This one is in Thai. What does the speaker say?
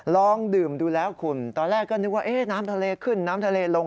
ลองดื่มดูแล้วคุณตอนแรกก็นึกว่าน้ำทะเลขึ้นน้ำทะเลลง